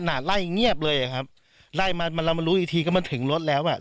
ลักษณะลักษณะไล่เงียบเลยครับไล่มามามารู้อีกทีก็มันถึงรถแล้วอ่ะ